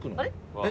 えっ？